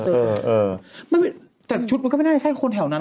แต่ชุดมันก็ไม่น่าจะใช่คนแถวนั้น